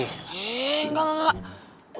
heee enggak enggak enggak